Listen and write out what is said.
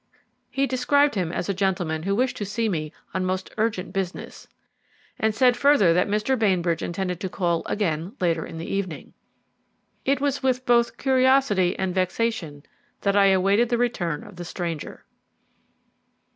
He described him as a gentleman who wished to see me on most urgent business, and said further that Mr. Bainbridge intended to call again later in the evening. It was with both curiosity and vexation that I awaited the return of the stranger.